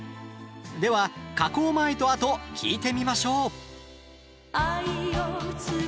では、加工前と後聴いてみましょう。